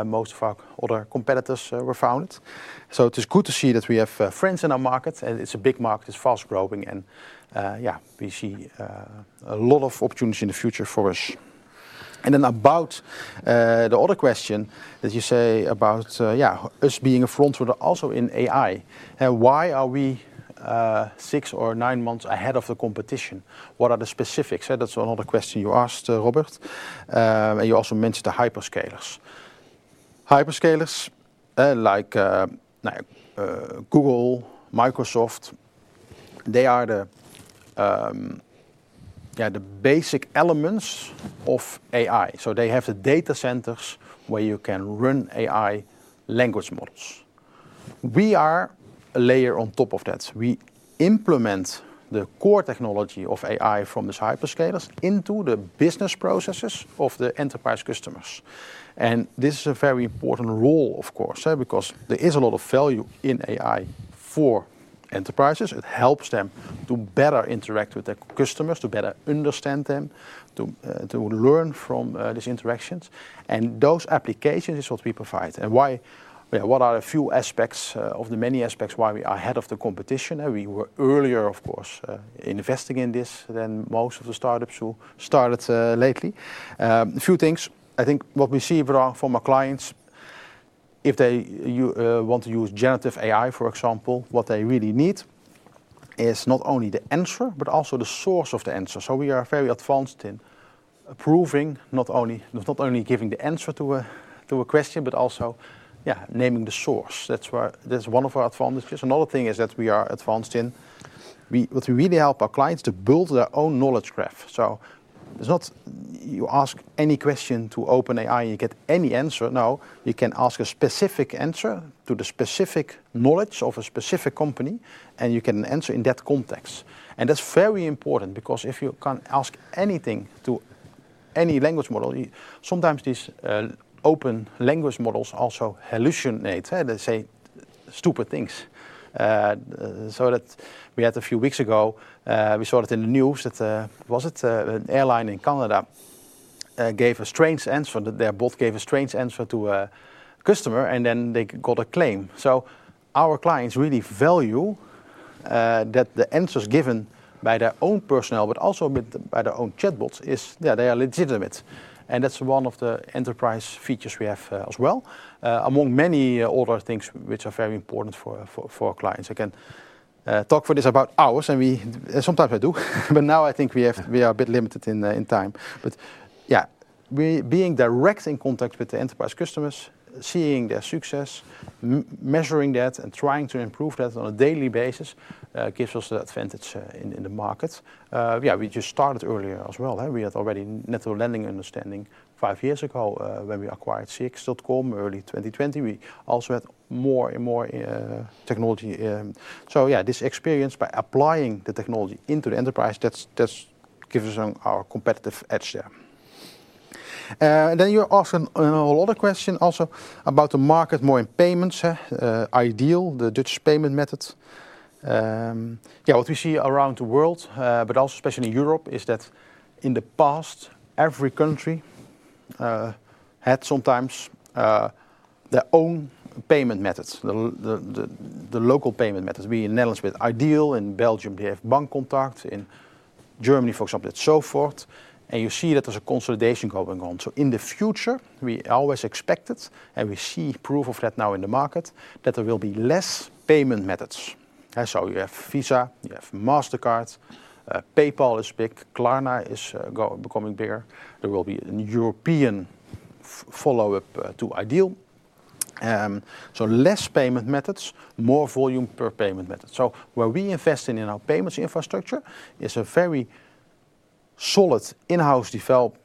most of our other competitors were founded. So it is good to see that we have friends in our market, and it's a big market. It's fast-growing. And yeah, we see a lot of opportunities in the future for us. And then about the other question that you say about, yeah, us being a frontrunner also in AI. Why are we 6 or 9 months ahead of the competition? What are the specifics? That's another question you asked, Robert. And you also mentioned the hyperscalers. Hyperscalers like, now, Google, Microsoft, they are the basic elements of AI. So they have the data centers where you can run AI language models. We are a layer on top of that. We implement the core technology of AI from these hyperscalers into the business processes of the enterprise customers. And this is a very important role, of course, because there is a lot of value in AI for enterprises. It helps them to better interact with their customers, to better understand them, to learn from these interactions. And those applications is what we provide. And what are a few aspects of the many aspects why we are ahead of the competition? We were earlier, of course, investing in this than most of the startups who started lately. A few things. I think what we see from our clients, if they want to use Generative AI, for example, what they really need is not only the answer, but also the source of the answer. So we are very advanced in approving, not only giving the answer to a question, but also, yeah, naming the source. That's one of our advantages. Another thing is that we are advanced in what we really help our clients to build their own knowledge graph. So it's not you ask any question to OpenAI and you get any answer. No, you can ask a specific answer to the specific knowledge of a specific company, and you get an answer in that context. And that's very important because if you can ask anything to any language model, sometimes these open language models also hallucinate. They say stupid things. So, a few weeks ago, we saw it in the news that, was it, an airline in Canada gave a strange answer. Their bot gave a strange answer to a customer, and then they got a claim. So our clients really value that the answers given by their own personnel, but also by their own chatbots, is, yeah, they are legitimate. And that's one of the enterprise features we have as well, among many other things which are very important for our clients. I can talk for this about hours, and sometimes I do. But now I think we are a bit limited in time. But yeah, being direct in contact with the enterprise customers, seeing their success, measuring that, and trying to improve that on a daily basis gives us the advantage in the market. Yeah, we just started earlier as well. We had already Natural Language Understanding five years ago when we acquired CX.com, early 2020. We also had more and more technology. So yeah, this experience by applying the technology into the enterprise, that gives us our competitive edge there. And then you asked a whole other question also about the market, more in payments, iDEAL, the Dutch payment method. Yeah, what we see around the world, but also especially in Europe, is that in the past, every country had sometimes their own payment methods, the local payment methods. We in the Netherlands with iDEAL, in Belgium, they have Bancontact, in Germany, for example, it's Sofort. And you see that there's a consolidation going on. So in the future, we always expected, and we see proof of that now in the market, that there will be less payment methods. So you have Visa, you have Mastercard. PayPal is big. Klarna is becoming bigger. There will be a European follow-up to iDEAL. So less payment methods, more volume per payment method. So where we invest in our payments infrastructure is a very solid in-house developed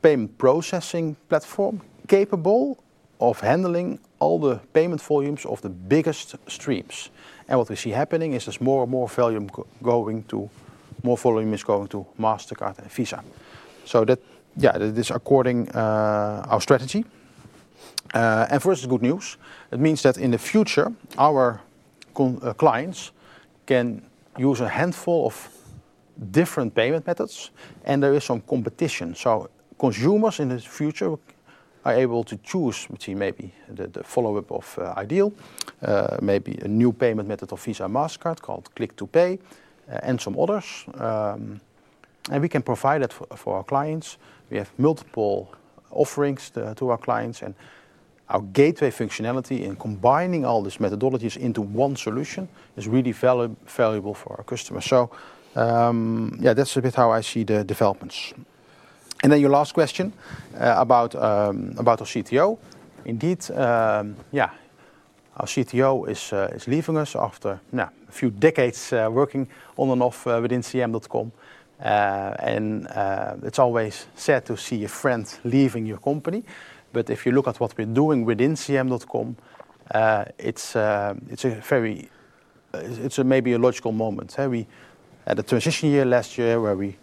payment processing platform capable of handling all the payment volumes of the biggest streams. And what we see happening is there's more and more volume going to more volume is going to Mastercard and Visa. So that, yeah, this is according to our strategy. And for us, it's good news. It means that in the future, our clients can use a handful of different payment methods, and there is some competition. So consumers in the future are able to choose between maybe the follow-up of iDEAL, maybe a new payment method of Visa/Mastercard called Click to Pay, and some others. And we can provide that for our clients. We have multiple offerings to our clients. Our gateway functionality in combining all these methodologies into one solution is really valuable for our customers. So yeah, that's a bit how I see the developments. And then your last question about our CTO. Indeed, yeah, our CTO is leaving us after a few decades working on and off within CM.com. And it's always sad to see a friend leaving your company. But if you look at what we're doing within CM.com, it's a very maybe a logical moment. We had a transition year last year where we,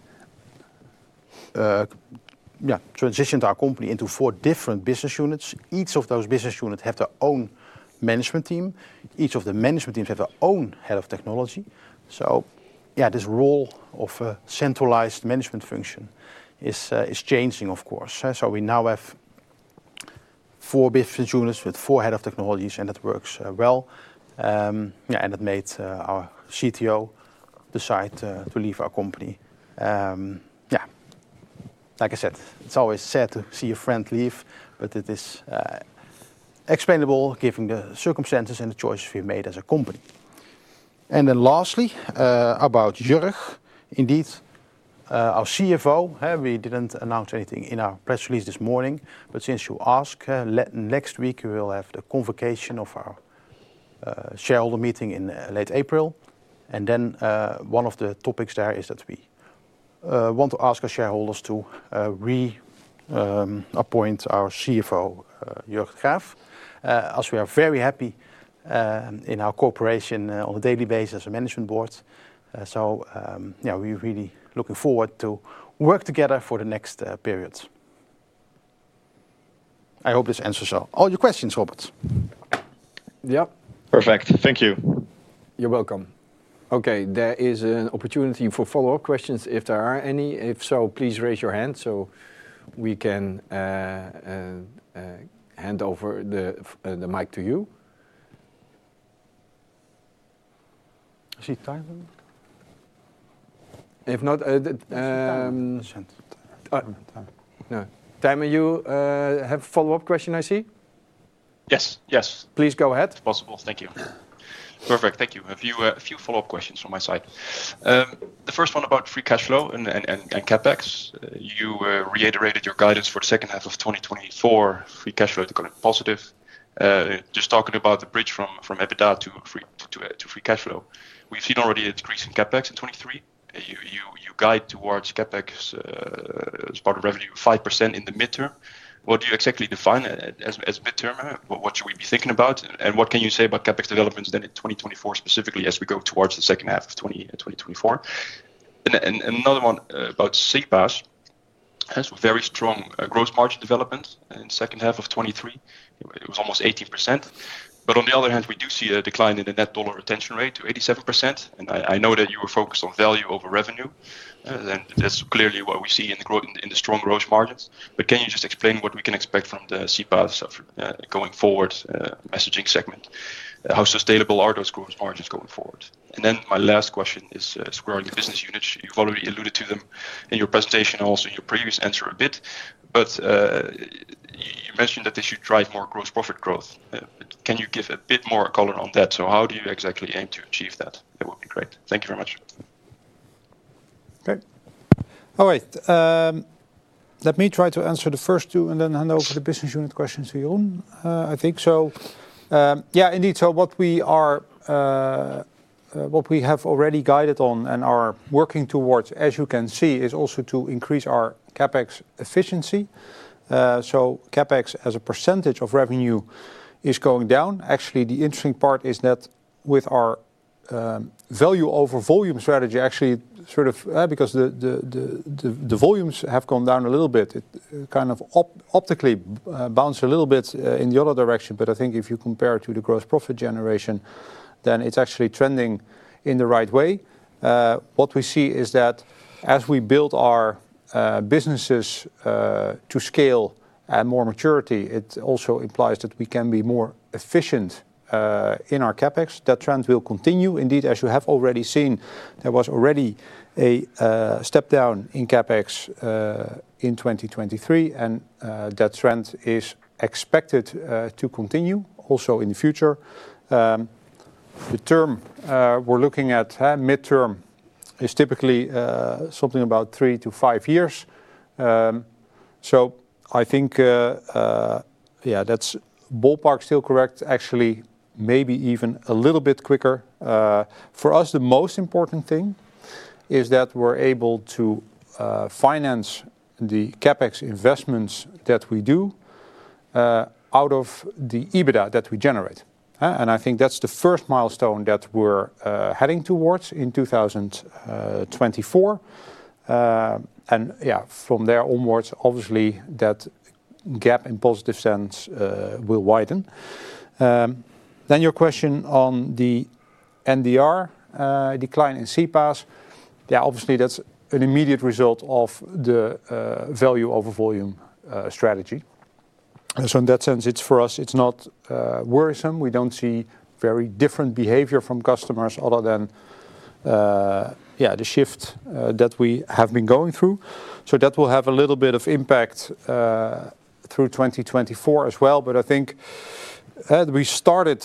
yeah, transitioned our company into four different business units. Each of those business units has their own management team. Each of the management teams has their own head of technology. So yeah, this role of a centralized management function is changing, of course. So we now have four business units with four head of technologies, and that works well. Yeah, it made our CTO decide to leave our company. Yeah, like I said, it's always sad to see a friend leave, but it is explainable given the circumstances and the choices we've made as a company. Then lastly, about Jörg. Indeed, our CFO, we didn't announce anything in our press release this morning. But since you asked, next week we will have the convocation of our shareholder meeting in late April. Then one of the topics there is that we want to ask our shareholders to reappoint our CFO, Jörg de Graaf, as we are very happy in our cooperation on a daily basis as a management board. So yeah, we're really looking forward to working together for the next period. I hope this answers all your questions, Robert. Yep. Perfect. Thank you. You're welcome. Okay. There is an opportunity for follow-up questions if there are any. If so, please raise your hand so we can hand over the mic to you. I see Tijmen. If not. And you have a follow-up question, I see? Yes. Yes. Please go ahead. Possible. Thank you. Perfect. Thank you. A few follow-up questions from my side. The first one about free cash flow and CapEx. You reiterated your guidance for the second half of 2024, free cash flow to call it positive. Just talking about the bridge from EBITDA to free cash flow. We've seen already a decrease in CapEx in 2023. You guide towards CapEx as part of revenue of 5% in the midterm. What do you exactly define as midterm? What should we be thinking about? What can you say about CapEx developments then in 2024 specifically as we go towards the second half of 2024? And another one about CPaaS. Very strong gross margin development in the second half of 2023. It was almost 18%. But on the other hand, we do see a decline in the net dollar retention rate to 87%. And I know that you were focused on value over revenue. And that's clearly what we see in the strong gross margins. But can you just explain what we can expect from the CPaaS going forward messaging segment? How sustainable are those gross margins going forward? And then my last question is regarding the business units. You've already alluded to them in your presentation and also in your previous answer a bit. But you mentioned that they should drive more gross profit growth. Can you give a bit more color on that? So how do you exactly aim to achieve that? That would be great. Thank you very much. Okay. All right. Let me try to answer the first two and then hand over the business unit questions to Jeroen, I think so. Yeah, indeed. So what we have already guided on and are working towards, as you can see, is also to increase our CAPEX efficiency. So CAPEX as a percentage of revenue is going down. Actually, the interesting part is that with our value over volume strategy, actually sort of because the volumes have gone down a little bit, it kind of optically bounced a little bit in the other direction. But I think if you compare it to the gross profit generation, then it's actually trending in the right way. What we see is that as we build our businesses to scale and more maturity, it also implies that we can be more efficient in our CAPEX. That trend will continue. Indeed, as you have already seen, there was already a step down in CAPEX in 2023. That trend is expected to continue also in the future. The term we're looking at, midterm, is typically something about 3-5 years. So I think, yeah, that's ballpark still correct, actually, maybe even a little bit quicker. For us, the most important thing is that we're able to finance the CAPEX investments that we do out of the EBITDA that we generate. I think that's the first milestone that we're heading towards in 2024. Yeah, from there onwards, obviously, that gap in positive sense will widen. Your question on the NDR decline in CPaaS. Yeah, obviously, that's an immediate result of the value over volume strategy. So in that sense, for us, it's not worrisome. We don't see very different behavior from customers other than, yeah, the shift that we have been going through. So that will have a little bit of impact through 2024 as well. But I think we started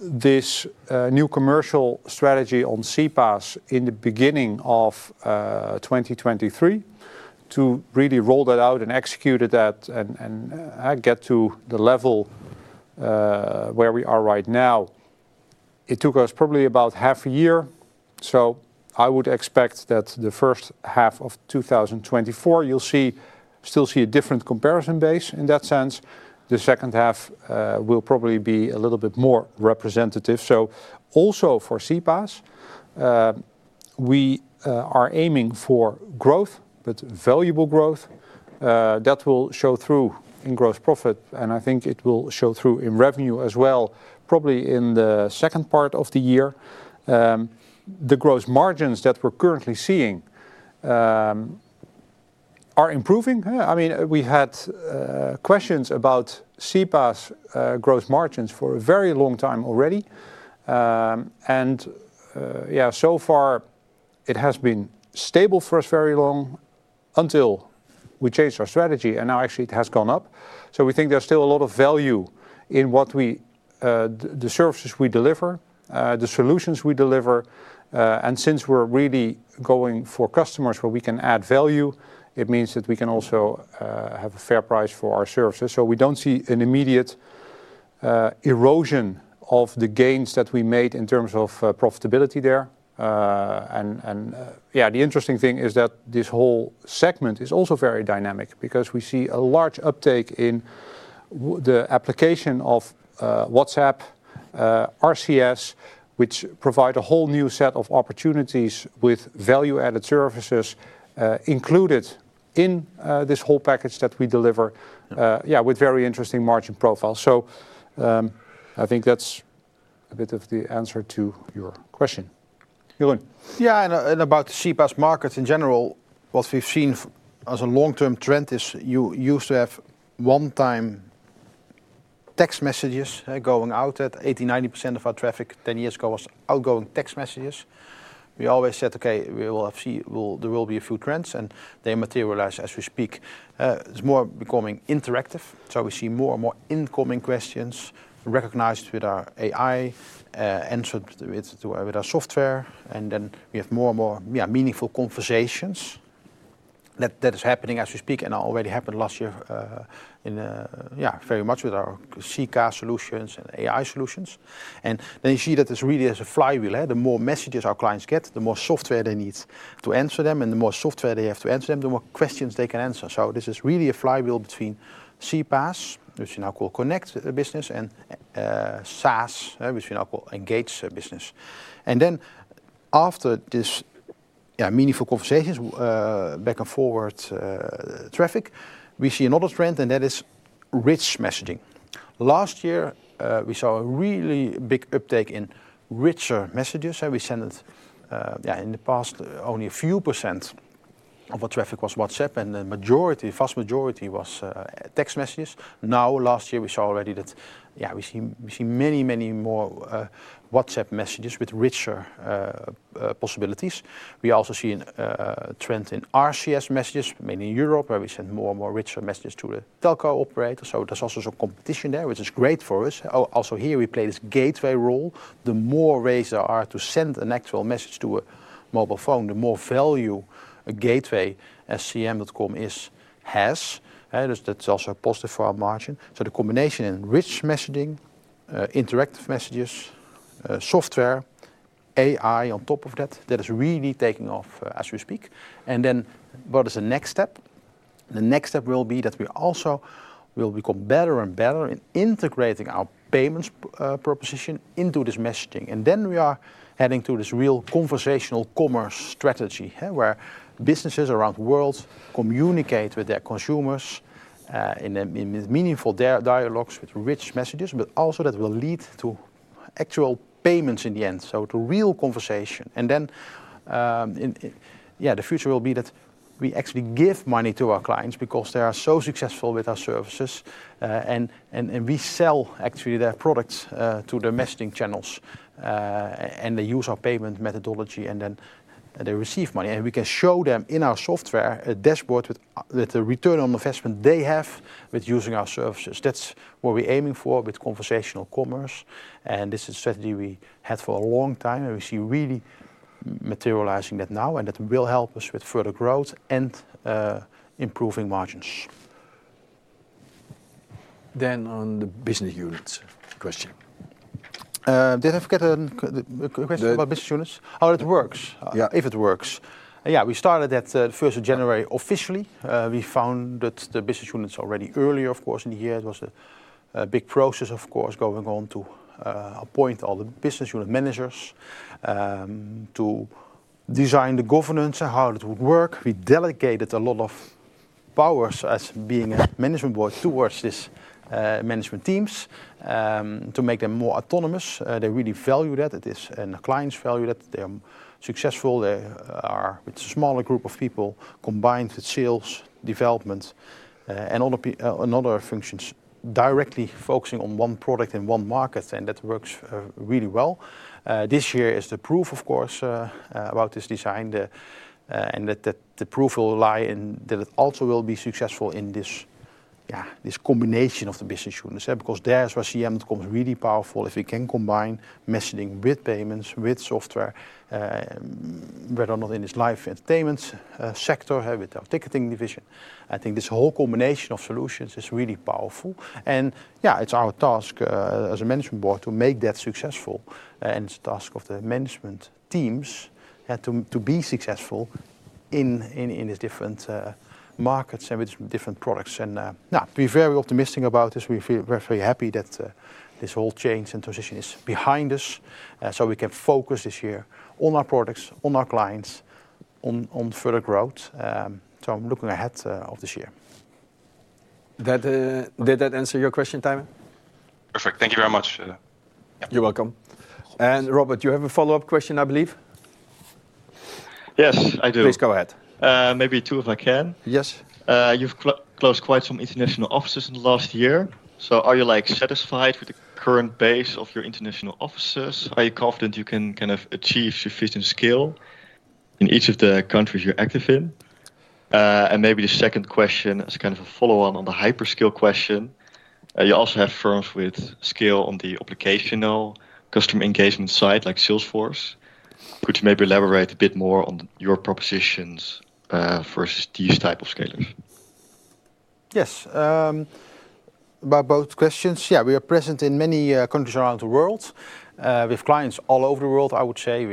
this new commercial strategy on CPaaS in the beginning of 2023 to really roll that out and execute it that and get to the level where we are right now. It took us probably about half a year. So I would expect that the first half of 2024, you'll still see a different comparison base in that sense. The second half will probably be a little bit more representative. So also for CPaaS, we are aiming for growth, but valuable growth that will show through in gross profit. I think it will show through in revenue as well, probably in the second part of the year. The gross margins that we're currently seeing are improving. I mean, we had questions about CPaaS gross margins for a very long time already. And yeah, so far, it has been stable for us very long until we changed our strategy. And now, actually, it has gone up. So we think there's still a lot of value in the services we deliver, the solutions we deliver. And since we're really going for customers where we can add value, it means that we can also have a fair price for our services. So we don't see an immediate erosion of the gains that we made in terms of profitability there. Yeah, the interesting thing is that this whole segment is also very dynamic because we see a large uptake in the application of WhatsApp, RCS, which provide a whole new set of opportunities with value-added services included in this whole package that we deliver, yeah, with very interesting margin profiles. So I think that's a bit of the answer to your question, Jeroen. Yeah, and about the CPaaS market in general, what we've seen as a long-term trend is you used to have one-time text messages going out that 80%-90% of our traffic 10 years ago was outgoing text messages. We always said, "Okay, there will be a few trends, and they materialize as we speak." It's more becoming interactive. So we see more and more incoming questions recognized with our AI, answered with our software. Then we have more and more meaningful conversations that are happening as we speak. And it already happened last year very much with our CCaaS solutions and AI solutions. And then you see that this really is a flywheel. The more messages our clients get, the more software they need to answer them, and the more software they have to answer them, the more questions they can answer. So this is really a flywheel between CPaaS, which we now call Connect Business, and SaaS, which we now call Engage Business. And then after this meaningful conversations, back and forward traffic, we see another trend, and that is rich messaging. Last year, we saw a really big uptake in richer messages. We sent, yeah, in the past, only a few % of our traffic was WhatsApp, and the vast majority was text messages. Now, last year, we saw already that, yeah, we see many, many more WhatsApp messages with richer possibilities. We also see a trend in RCS messages, mainly in Europe, where we send more and more richer messages to the telco operator. So there's also some competition there, which is great for us. Also, here, we play this gateway role. The more ways there are to send an actual message to a mobile phone, the more value a gateway as CM.com has. That's also positive for our margin. So the combination in rich messaging, interactive messages, software, AI on top of that, that is really taking off as we speak. And then what is the next step? The next step will be that we also will become better and better in integrating our payments proposition into this messaging. We are heading to this real Conversational Commerce strategy where businesses around the world communicate with their consumers in meaningful dialogues with rich messages, but also that will lead to actual payments in the end, so to real conversation. And then, yeah, the future will be that we actually give money to our clients because they are so successful with our services. And we sell, actually, their products to the messaging channels, and they use our payment methodology, and then they receive money. And we can show them in our software a dashboard with the return on investment they have with using our services. That's what we're aiming for with Conversational Commerce. And this is a strategy we had for a long time, and we see really materializing that now, and that will help us with further growth and improving margins. Then on the business units question. Did I forget a question about business units? How it works, if it works. Yeah, we started that the 1st of January officially. We founded the business units already earlier, of course, in the year. It was a big process, of course, going on to appoint all the business unit managers to design the governance and how it would work. We delegated a lot of powers as being a management board towards these management teams to make them more autonomous. They really value that. It is, and clients value that. They're successful. They are with a smaller group of people combined with sales development and other functions directly focusing on one product in one market. And that works really well. This year is the proof, of course, about this design. And the proof will lie in that it also will be successful in this combination of the business units because there is where CM.com is really powerful if we can combine messaging with payments, with software, whether or not in this live entertainment sector with our ticketing division. I think this whole combination of solutions is really powerful. And yeah, it's our task as a management board to make that successful. And it's the task of the management teams to be successful in these different markets and with these different products. And yeah, we're very optimistic about this. We're very happy that this whole change and transition is behind us so we can focus this year on our products, on our clients, on further growth. So I'm looking ahead of this year. Did that answer your question, Tijmen? Perfect. Thank you very much. You're welcome. And Robert, you have a follow-up question, I believe. Yes, I do. Please go ahead. Maybe two if I can. Yes. You've closed quite some international offices in the last year. So are you satisfied with the current base of your international offices? Are you confident you can kind of achieve sufficient scale in each of the countries you're active in? And maybe the second question as kind of a follow-on on the hyperscale question. You also have firms with scale on the applicational customer engagement side like Salesforce. Could you maybe elaborate a bit more on your propositions versus these types of scalers? Yes. About both questions, yeah, we are present in many countries around the world. We have clients all over the world, I would say.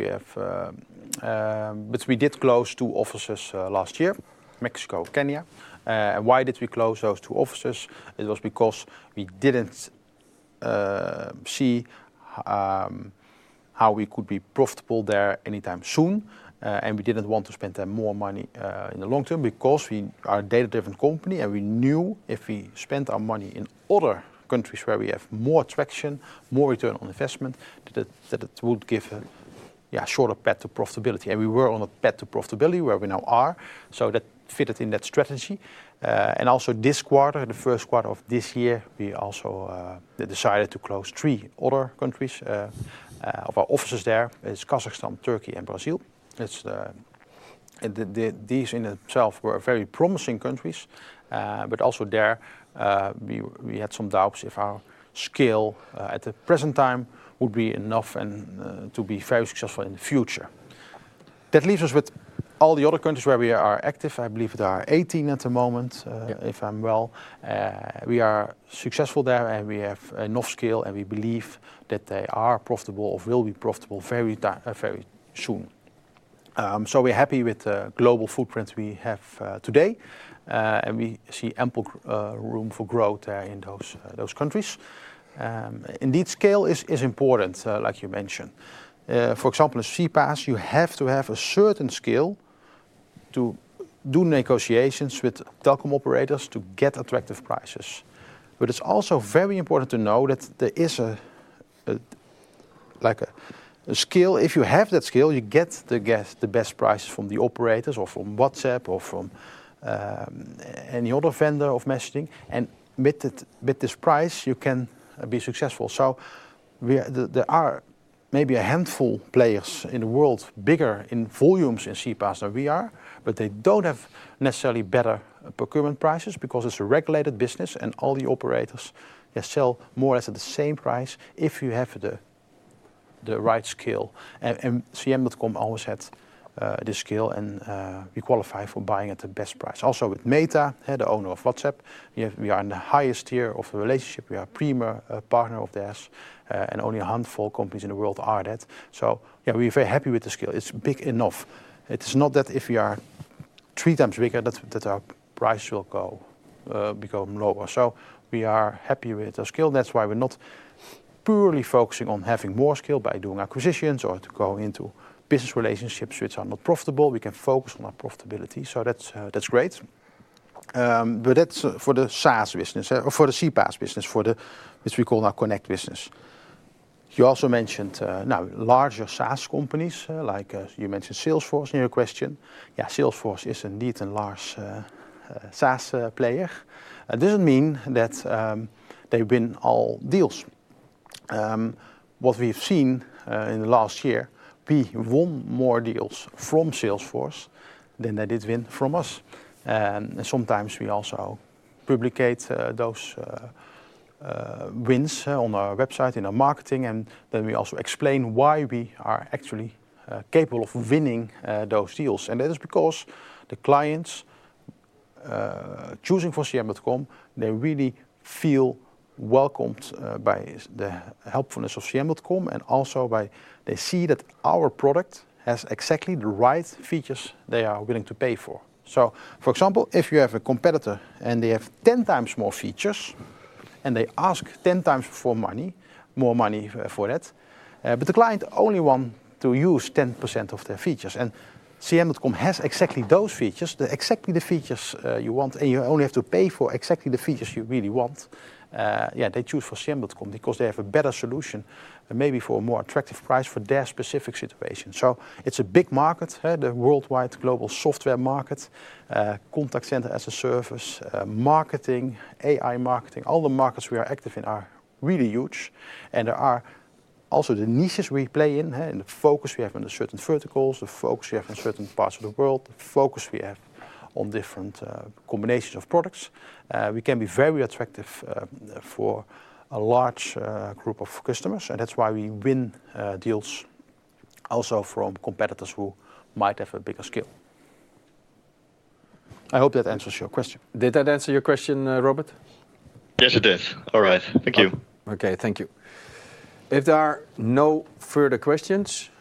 But we did close two offices last year, Mexico, Kenya. And why did we close those two offices? It was because we didn't see how we could be profitable there anytime soon. We didn't want to spend more money in the long term because we are a data-driven company, and we knew if we spent our money in other countries where we have more traction, more return on investment, that it would give a shorter path to profitability. We were on a path to profitability where we now are. So that fitted in that strategy. Also this quarter, the first quarter of this year, we also decided to close three other countries of our offices there. It's Kazakhstan, Turkey, and Brazil. These in themselves were very promising countries. But also there, we had some doubts if our scale at the present time would be enough to be very successful in the future. That leaves us with all the other countries where we are active. I believe there are 18 at the moment, if I'm well. We are successful there, and we have enough scale, and we believe that they are profitable or will be profitable very soon. So we're happy with the global footprint we have today. And we see ample room for growth there in those countries. Indeed, scale is important, like you mentioned. For example, as CPaaS, you have to have a certain scale to do negotiations with telecom operators to get attractive prices. But it's also very important to know that there is a scale. If you have that scale, you get the best prices from the operators or from WhatsApp or from any other vendor of messaging. And with this price, you can be successful. So there are maybe a handful of players in the world bigger in volumes in CPaaS than we are, but they don't have necessarily better procurement prices because it's a regulated business, and all the operators sell more or less at the same price if you have the right scale. And CM.com always had this scale, and we qualify for buying at the best price. Also with Meta, the owner of WhatsApp, we are in the highest tier of the relationship. We are a premier partner of theirs. And only a handful of companies in the world are that. So yeah, we're very happy with the scale. It's big enough. It is not that if we are three times bigger, that our price will become lower. So we are happy with our scale. That's why we're not purely focusing on having more scale by doing acquisitions or to go into business relationships which are not profitable. We can focus on our profitability. So that's great. But that's for the SaaS business or for the CPaaS business, which we call now Connect Business. You also mentioned larger SaaS companies. You mentioned Salesforce in your question. Yeah, Salesforce is indeed a large SaaS player. It doesn't mean that they win all deals. What we have seen in the last year, we won more deals from Salesforce than they did win from us. And sometimes we also publicize those wins on our website in our marketing, and then we also explain why we are actually capable of winning those deals. That is because the clients choosing for CM.com, they really feel welcomed by the helpfulness of CM.com and also by they see that our product has exactly the right features they are willing to pay for. So for example, if you have a competitor and they have 10 times more features and they ask 10 times for more money for that, but the client only wants to use 10% of their features, and CM.com has exactly those features, exactly the features you want, and you only have to pay for exactly the features you really want, yeah, they choose for CM.com because they have a better solution, maybe for a more attractive price for their specific situation. So it's a big market, the worldwide, global software market, contact center as a service, marketing, AI marketing, all the markets we are active in are really huge. There are also the niches we play in, and the focus we have on certain verticals, the focus we have on certain parts of the world, the focus we have on different combinations of products. We can be very attractive for a large group of customers. And that's why we win deals also from competitors who might have a bigger scale. I hope that answers your question. Did that answer your question, Robert? Yes, it did. All right. Thank you. Okay. Thank you. If there are no further questions,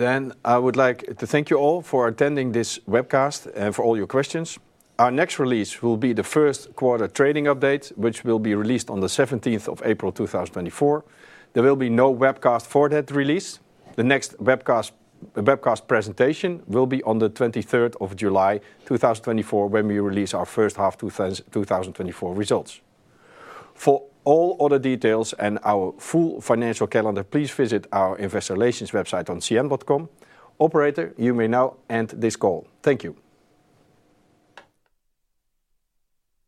then I would like to thank you all for attending this webcast and for all your questions. Our next release will be the first quarter trading update, which will be released on the 17th of April, 2024. There will be no webcast for that release. The next webcast presentation will be on the 23rd of July, 2024, when we release our first half 2024 results. For all other details and our full financial calendar, please visit our investor relations website on CM.com. Operator, you may now end this call. Thank you.